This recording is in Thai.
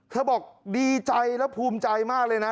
บอกดีใจและภูมิใจมากเลยนะ